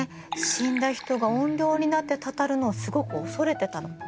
死んだ人が怨霊になってたたるのをすごく恐れてたの。